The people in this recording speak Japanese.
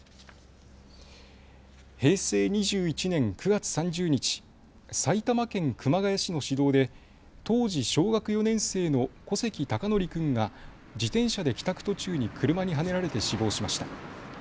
平成２１年９月３０日、埼玉県熊谷市の市道で当時小学４年生の小関孝徳君が自転車で帰宅途中に車にはねられて死亡しました。